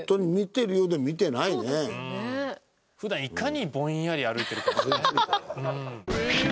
普段いかにぼんやり歩いてるかというね。